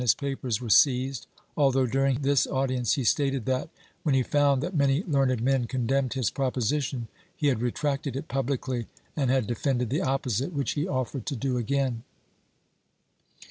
172 PROPOSITIONS [Book VIII papers were seized, although during this audience he stated that, when he found that many learned men condemned his proposition, he had retracted it publicly and had defended the opposite, which he offered to do again.